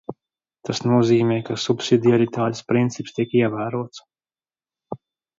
Tas nozīmē, ka subsidiaritātes princips tiek ievērots.